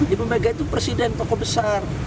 ibu mega itu presiden tokoh besar